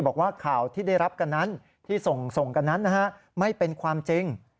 บอกว่าข่าวที่ได้รับกันนั้นที่ส่งกันนั้นนะฮะไม่เป็นความจริง